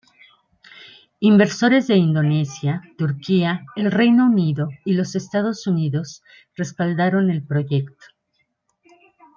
Inversores de Indonesia, Turquía, el Reino Unido y los Estados Unidos respaldaron el proyecto.